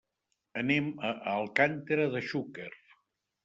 Anem a Alcàntera de Xúquer.